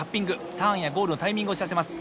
ターンやゴールのタイミングを知らせます。